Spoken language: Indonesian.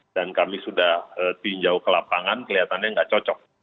dan kami sudah pinjau ke lapangan kelihatannya nggak cocok